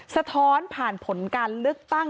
สะท้อนผ่านผลการเลือกตั้ง